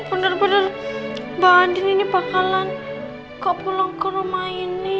bener bener badan ini bakalan kok pulang ke rumah ini